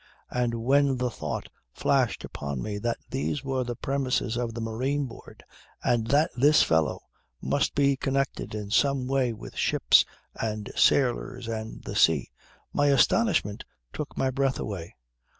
And when the thought flashed upon me that these were the premises of the Marine Board and that this fellow must be connected in some way with ships and sailors and the sea, my astonishment took my breath away.